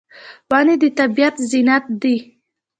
ونې د طبیعت زینت دي.